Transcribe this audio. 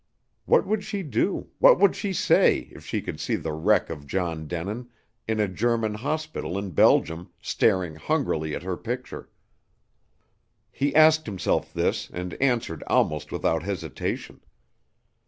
What would she do, what would she say, if she could see the wreck of John Denin, in a German hospital in Belgium, staring hungrily at her picture? He asked himself this, and answered almost without hesitation.